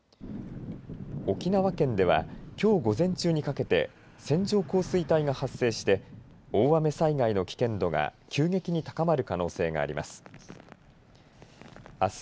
沖縄県ではきょう午前中にかけて線状降水帯が発生して大雨災害の危険度が急激に高まる可能性があります。